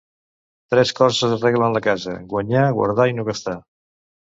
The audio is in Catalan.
Tres coses arreglen la casa: guanyar, guardar i no gastar.